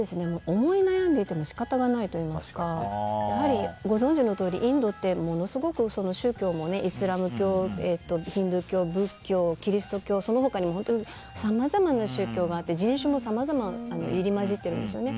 思い悩んでいても仕方がないといいますかやはりご存じのとおりインドって宗教もものすごくイスラム教、ヒンドゥー教、仏教キリスト教、その他にもさまざまな宗教があって人種もさまざま入り交じってるんですね。